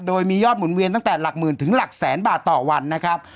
โดยมียอดหมุนเวียนตั้งแต่หลักหมื่นถึงหลักแสนบาทต่อวันนะครับ